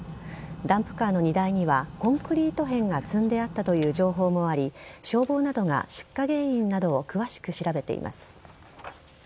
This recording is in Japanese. ダンプカーの荷台には、コンクリート片が積んであったという情報もあり、消防などが出火原因などを詳しく調べています。